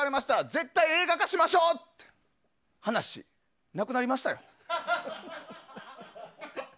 絶対映画化しましょう！って話、なくなりましたよ。